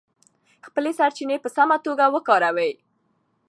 خپلې سرچینې په سمه توګه وکاروئ.